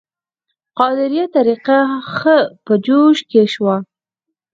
قادریه طریقه ښه په جوش کې شوه.